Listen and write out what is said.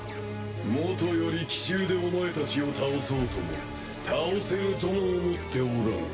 もとより奇襲でお前たちを倒そうとも倒せるとも思っておらん。